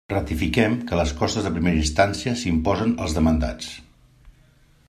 Ratifiquem que les costes de primera instància s'imposen als demandats.